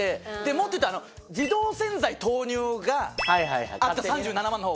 もっと言うと自動洗剤投入があった３７万の方は。